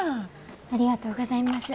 ありがとうございます。